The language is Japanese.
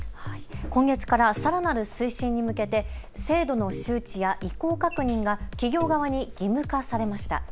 今月からさらなる推進に向けて制度の周知や意向確認が企業側に義務化されました。